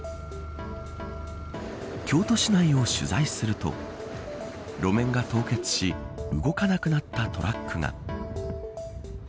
京都市内を取材すると路面が凍結し動かなくなったトラックが。